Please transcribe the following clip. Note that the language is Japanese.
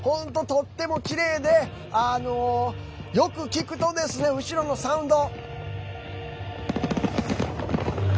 とってもきれいでよく聞くと、後ろのサウンド。